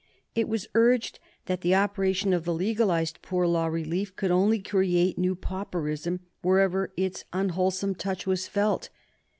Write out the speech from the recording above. It was urged that the operation of the legalized poor law relief could only create new pauperism wherever its unwholesome touch was felt.